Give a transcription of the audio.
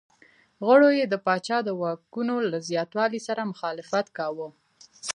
غړو یې د پاچا د واکونو له زیاتوالي سره مخالفت کاوه.